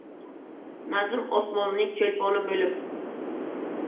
Nazm osmonining Cho‘lponi bo‘lib